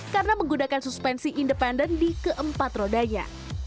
karena menggunakan suspensi independen di keempat rodanya